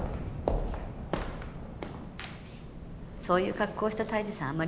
そういう格好をした泰治さん